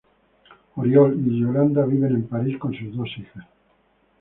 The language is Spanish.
Oriol y Yolanda viven en París con sus dos hijas.